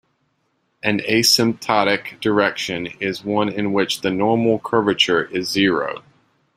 An asymptotic direction is one in which the normal curvature is zero.